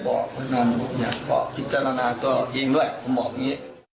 พี่น้ำบอบพิจารณาก็เยงด้วยพี่น้ำบอกวันนี้